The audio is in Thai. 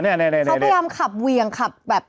เขาพยายามขับเวียงขับแบบ